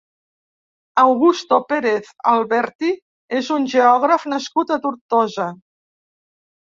Augusto Pérez Alberti és un geògraf nascut a Tortosa.